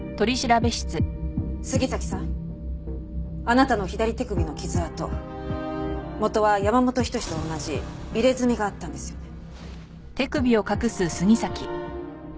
杉崎さんあなたの左手首の傷痕元は山本仁と同じ入れ墨があったんですよね？